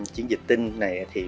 chiến dịch tin này thì